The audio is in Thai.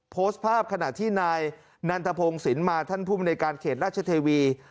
โพสต์ภาพขณะที่นายนันทพงศ์สินมาท่านภูมิในการเขตราชเทวี